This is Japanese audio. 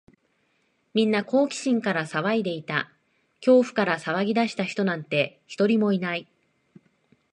みんな好奇心から騒いでいた。恐怖から騒ぎ出した人なんて、一人もいない。